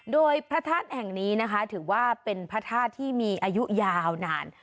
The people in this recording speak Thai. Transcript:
โดยพระธาตุแห่งนี้นะคะถือว่าเป็นพระธาตุที่มีอายุยาวนาน